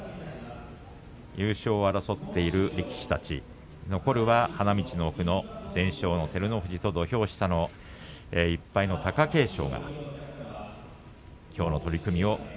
優勝を争っている力士たち残るは花道の奥の全勝の照ノ富士そして土俵下の１敗の貴景勝。